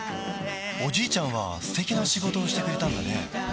おじいちゃんは素敵な仕事をしてくれたんだね